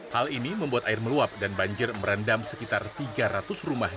hal ini membuat air meluap dan banjir merendam sekitar tiga ratus rumah